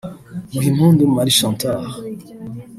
Muhimpundu Marie Chantal